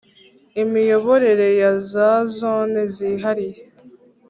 Imiyoborere ya za zone zihariye